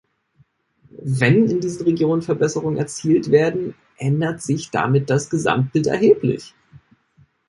Wenn in diesen Regionen Verbesserungen erzielt werden, ändert sich damit das Gesamtbild erheblich.